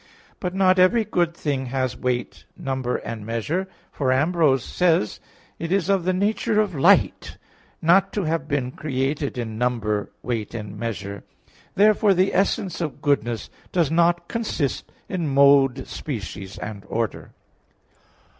But not every good thing has weight, number and measure; for Ambrose says (Hexam. i, 9): "It is of the nature of light not to have been created in number, weight and measure." Therefore the essence of goodness does not consist in mode, species and order.